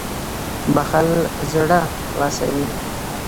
• بښل زړه خلاصوي.